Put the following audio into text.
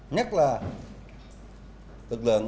nhất là lực lượng quân đội công an